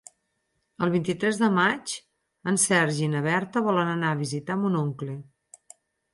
El vint-i-tres de maig en Sergi i na Berta volen anar a visitar mon oncle.